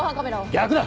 逆だ！